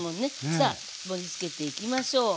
さあ盛りつけていきましょう。